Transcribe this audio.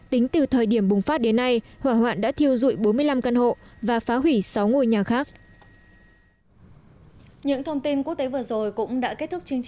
tính từ thời điểm bùng phát đến nay hỏa hoạn đã thiêu dụi bốn mươi năm căn hộ và phá hủy sáu ngôi nhà khác